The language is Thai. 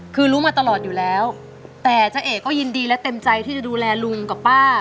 คือรู้มาตลอดอยู่แล้วแต่เจ้าเอกก็ยินดีและเต็มใจที่จะดูแลลุงกับป้า